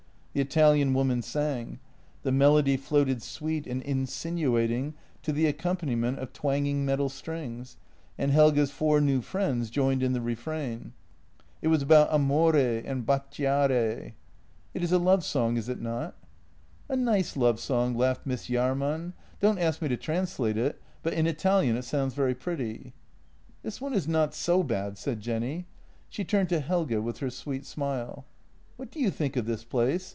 The Italian woman sang. The melody floated sweet and insinuating to the accompaniment of twanging metal strings, and Helge's four new friends joined in the refrain. It was about amove and bacciare. " It is a love song, is it not? " JENNY 27 " A nice love song," laughed Miss Jahrman. " Don't ask me to translate it, but in Italian it sounds very pretty." " This one is not so bad," said Jenny. She turned to Helge with her sweet smile: "What do you think of this place?